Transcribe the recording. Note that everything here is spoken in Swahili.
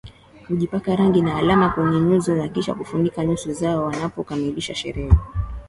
hujipaka rangi na alama kwenye nyuso na kisha kufunika nyuso zao wanapokamilisha sherehe